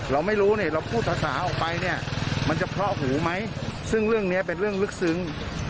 เราไม่รู้เนี่ยเราพูดภาษาออกไปเนี่ยมันจะเพราะหูไหมซึ่งเรื่องนี้เป็นเรื่องลึกซึ้ง